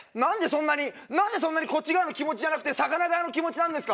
なんでそんなにこっち側の気持ちじゃなくて魚側の気持ちなんですか？